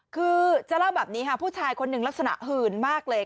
คือจะเล่าแบบนี้ค่ะผู้ชายคนหนึ่งลักษณะหื่นมากเลย